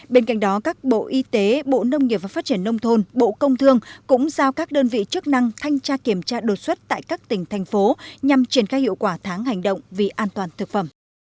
bên cạnh đó các bộ y tế bộ nông nghiệp và phát triển nông thôn bộ công thương cũng giao các đơn vị chức năng thanh tra kiểm tra đột xuất tại các tỉnh thành phố nhằm triển khai hiệu quả tháng hành động vì an toàn thực phẩm